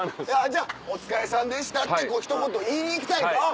じゃあお疲れさんでしたってひと言言いに行きたいと。